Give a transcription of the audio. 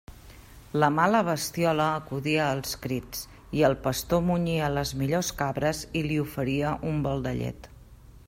La mala bestiola acudia als crits, i el pastor munyia les millors cabres i li oferia un bol de llet.